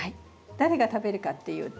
誰が食べるかっていうと。